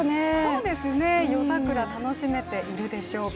そうですね夜桜、楽しめているでしょうか。